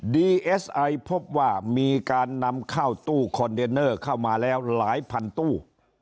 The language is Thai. ดีเอสไอพบว่ามีการนำเข้าตู้คอนเทนเนอร์เข้ามาแล้วหลายพันตู้